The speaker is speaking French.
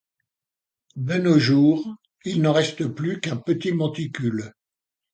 De nos jours, il n'en reste plus qu'un petit monticule.